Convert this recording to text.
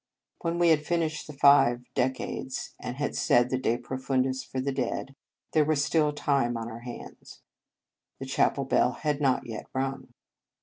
When we had finished the five de cades, and had said the Deprofundis for the dead, there was still time on our hands. The chapel bell had not yet rung.